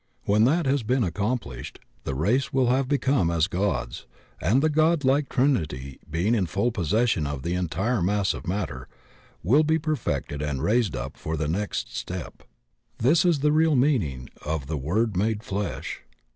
>\^en that has been accomplished the race will have become as gods, and the godlike trinity being in fuU possession the entire mass of mat ter will be perfected and raised up for the next step. This is the real meaning of "the word made flesh."